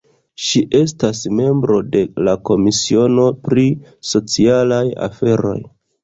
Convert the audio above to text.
Ŝi estas membro de la komisiono pri socialaj aferoj.